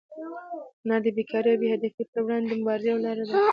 هنر د بېکارۍ او بې هدفۍ پر وړاندې د مبارزې یوه لاره ده.